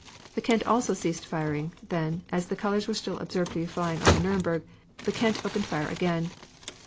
The Kent also ceased firing, then, as the colors were still observed to be flying on the Nuremburg, the Kent opened fire again.